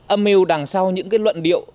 âm mưu đằng sau những cái luận điệu